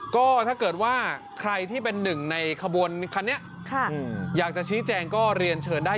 ก็ถ้าเกิดว่าใครที่เป็นหนึ่งในขบวนคันนี้อยากจะชี้แจงก็เรียนเชิญได้